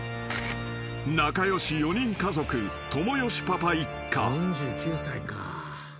［仲良し４人家族ともよしパパ一家］